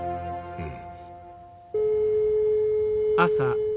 うん。